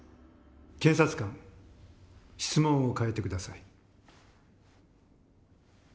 検察官質問を変えて下さい。